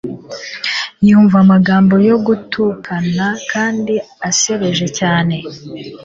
Yumva amagambo yo gutukana kandi asebeje cyane,